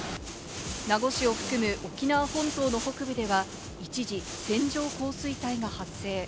名護市を含む沖縄本島の北部では、一時、線状降水帯が発生。